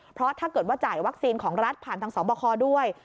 เพราะถ้าเกิดว่าจ่ายวัคซีนของรัฐผ่านทางสอบคอด้วย